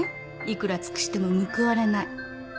いくら尽くしても報われない。